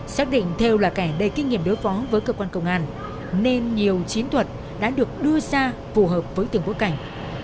xác định theo là kẻ đầy kinh nghiệm đối phó với cơ quan công an nên nhiều chiến thuật đã được đưa ra phù hợp với từng bối cảnh